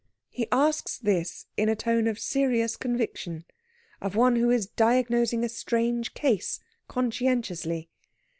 He asks this in a tone of serious conviction, of one who is diagnosing a strange case, conscientiously.